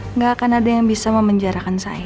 nggak akan ada yang bisa memenjarakan saya